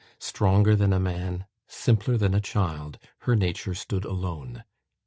Stronger than a man, simpler than a child, her nature stood alone.